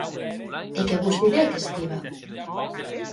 E qué vos didec Stiva?